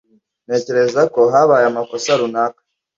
Ntekereza ko habaye amakosa runaka.